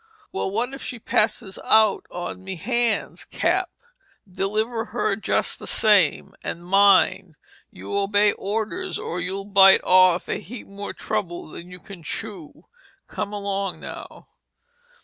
"Well, what if she passes out on me hands, Cap?" "Deliver her just the same. And mind—you obey orders or you'll bite off a heap more trouble than you can chew. Come along now!"